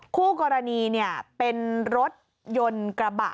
คู่กรณีเป็นรถยนต์กระบะ